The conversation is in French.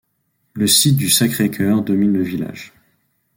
Le site du Sacré-Cœur domine le village.